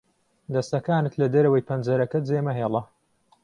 دەستەکانت لە دەرەوەی پەنجەرەکە جێمەهێڵە.